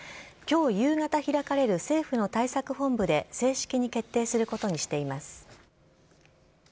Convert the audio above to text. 今日夕方開かれる政府の対策本部で正式に決定することにしています。